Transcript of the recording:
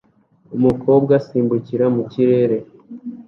Umukobwa asimbukira mu kirere